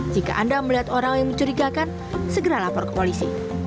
jika anda melihat orang yang mencurigakan segera lapor ke polisi